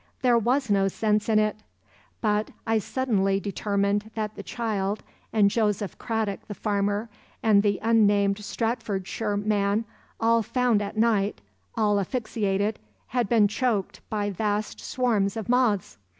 There was no sense in it; but I suddenly determined that the child and Joseph Cradock the farmer, and that unnamed Stratfordshire man, all found at night, all asphyxiated, had been choked by vast swarms of moths.